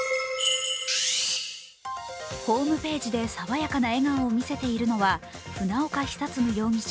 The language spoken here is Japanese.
ホームページで爽やかな笑顔を見せているのは船岡久嗣容疑者